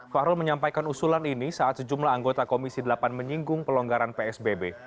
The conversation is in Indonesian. fahrul menyampaikan usulan ini saat sejumlah anggota komisi delapan menyinggung pelonggaran psbb